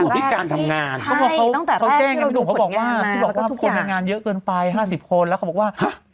พี่บอกว่าคนในงานเยอะเกินไป๕๐คนแล้วเขาบอกว่า